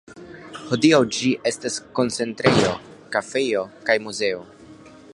Hodiaŭ ĝi estas koncertejo, kafejo kaj muzeo.